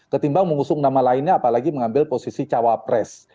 ketimbang mengusung nama lainnya apalagi mengambil posisi cawapres